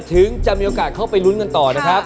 ถึงจะมีโอกาสเข้าไปลุ้นกันต่อนะครับ